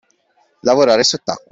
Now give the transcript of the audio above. Lavorare sott'acqua.